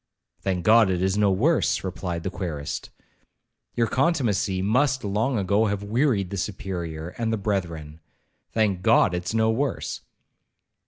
'Thank God it is no worse,' replied the querist, 'your contumacy must long ago have wearied the Superior and the brethren—thank God it's no worse.'